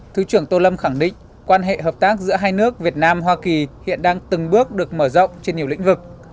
thứ trưởng tô lâm khẳng định quan hệ hợp tác giữa hai nước việt nam hoa kỳ hiện đang từng bước được mở rộng trên nhiều lĩnh vực